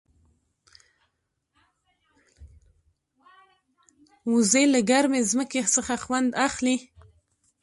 وزې له ګرمې ځمکې څخه خوند اخلي